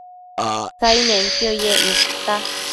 Cainenquio yec nidta